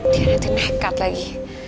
tiana tuh nekat lagi